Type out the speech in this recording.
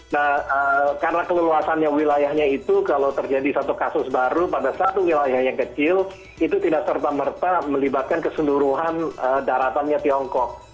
nah karena keleluasannya wilayahnya itu kalau terjadi satu kasus baru pada satu wilayah yang kecil itu tidak serta merta melibatkan keseluruhan daratannya tiongkok